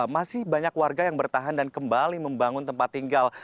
masih banyak warga yang bertahan dan kembali membangun tempat tinggal